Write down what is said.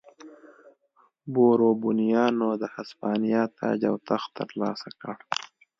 بوروبونیانو د هسپانیا تاج و تخت ترلاسه کړ.